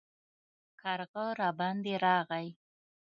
کارغه راباندې راغی